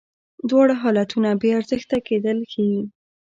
دواړه حالتونه بې ارزښته کېدل ښیې.